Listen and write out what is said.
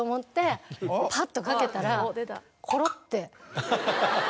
パッとかけたらコロって。